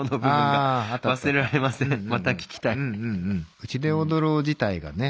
「うちで踊ろう」自体がね